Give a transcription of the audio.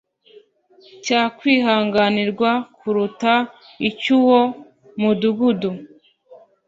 cyakwihanganirwa kuruta icy uwo mudugudu